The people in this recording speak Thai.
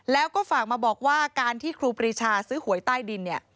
แล้วก็ฝากมาบอกว่าการที่ครูปรีชาซื้อหวยใต้ดินเนี่ย